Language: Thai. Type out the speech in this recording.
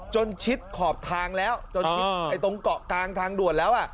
ชิดขอบทางแล้วจนชิดตรงเกาะกลางทางด่วนแล้ว